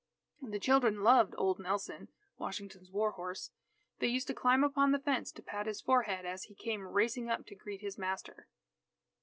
The children loved old Nelson, Washington's war horse. They used to climb upon the fence to pat his forehead, as he came racing up to greet his master.